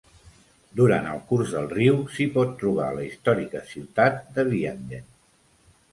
Durant el curs del riu s'hi pot trobar la històrica ciutat de Vianden.